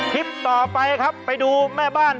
คลิปต่อไปครับไปดูแม่บ้าน